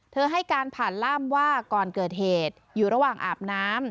ให้การผ่านล่ามว่าก่อนเกิดเหตุอยู่ระหว่างอาบน้ำ